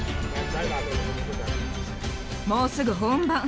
もうすぐ本番。